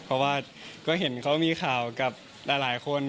เพราะว่าก็เห็นเขามีข่าวกับหลายคน